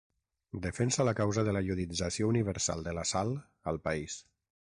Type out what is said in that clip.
Defensa la causa de la iodització universal de la sal al país.